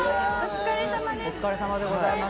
お疲れさまです。